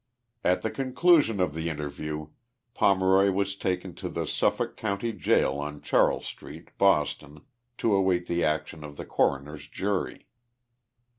At the conclusion of the interview Pomeroy was taken to the Suffolk County jail on Charles street, Boston, to await the action of the coroners jury.